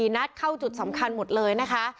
นัดเข้าจุดสำคัญหมดเลยนะคะ